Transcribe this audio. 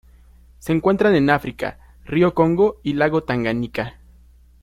Se encuentran en África: río Congo y lago Tanganika.